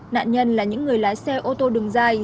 nạn nhân là những người lái xe ô tô đường dài